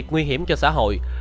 nguy hiểm cho xã hội